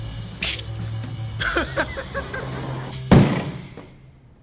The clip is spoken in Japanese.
ハハハハッ！